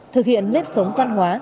thực hiện nếp sống văn hóa